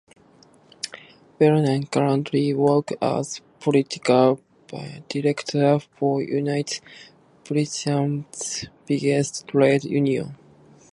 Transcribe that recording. Whelan currently works as political director for Unite, Britain's biggest trade union.